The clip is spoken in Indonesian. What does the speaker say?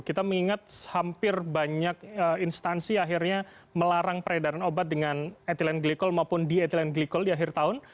kita mengingat hampir banyak instansi akhirnya melarang peredaran obat dengan ethylene glycol maupun di ethylene glycol di akhir tahun